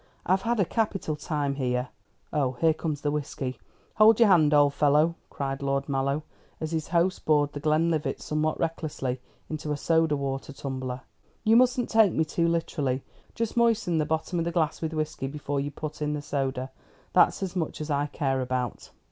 I've had a capital time here Oh, here comes the whisky. Hold your hand, old fellow!" cried Lord Mallow, as his host poured the Glenlivat somewhat recklessly into a soda water tumbler. "You mustn't take me too literally. Just moisten the bottom of the glass with whisky before you put in the soda. That's as much as I care about."